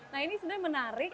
nah ini sebenarnya menarik